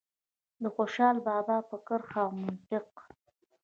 د خوشال بابا په کرښه او منطق.